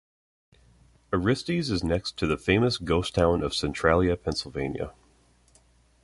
Aristes is next to the famous "ghost town" of Centralia, Pennsylvania.